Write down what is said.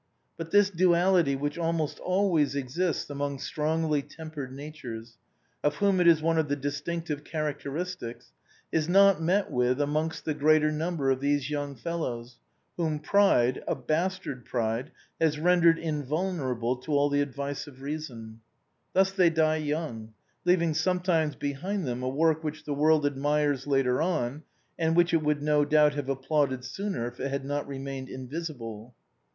But this duality which almost always exists amongst strongly tempered natures, of whom it is one of the distinctive characteristics, is not met with amongst the greater number of these young fello'W's, whom pride, a bastard pride, has rendered invulnerable to all the advice of reason. Thus they die young, leaving sometimes behind them a work which the world admires later on and which it would no doubt have applauded sooner if it had not remained invisible.